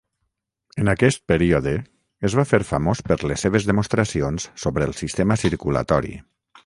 En aquest període, es va fer famós per les seves demostracions sobre el sistema circulatori.